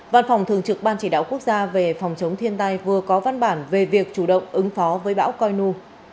văn phòng thường trực ban chỉ đạo quốc gia về phòng chống thiên tai vừa có văn bản về việc chủ động ứng phó với bão coi nu